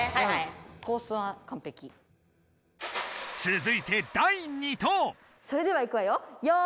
つづいてそれではいくわよ。